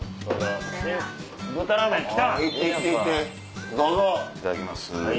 いただきます。